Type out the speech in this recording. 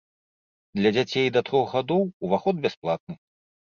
Для дзяцей да трох гадоў уваход бясплатны.